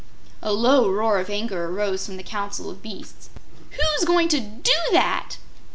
A low roar of anger arose from the Council of Beasts. "WHO'S going to do that?"